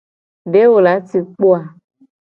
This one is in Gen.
De wo la ci kpo a?